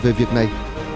về việc này